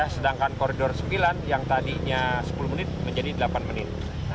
sedangkan koridor sembilan yang tadinya sepuluh menit menjadi delapan menit